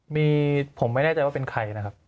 มีผมไม่แน่ใจว่าเป็นใครนะครับ